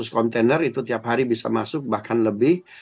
seratus kontainer itu tiap hari bisa masuk bahkan lebih